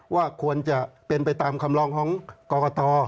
ว่าควรจะเป็นไปตามคำลองของกรกต